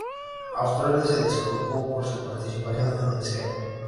Australia se disculpó por su participación en el esquema.